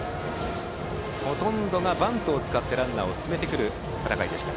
ほとんどがバントを使ってランナーを進めてくる戦いでした。